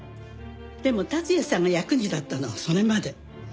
でも達也さんが役に立ったのはそれまで。